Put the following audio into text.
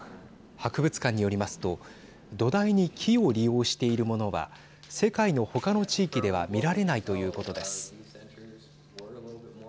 博物館によりますと土台に木を利用しているものは世界の他の地域では見られないということです。